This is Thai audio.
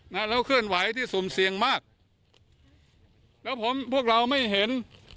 แล้วเคลื่อนไหวที่สุ่มเสี่ยงมากแล้วผมพวกเราไม่เห็น